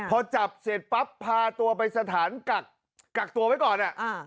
พอจับเสร็จปั๊บพาตัวไปสถานกักกักตัวไว้ก่อน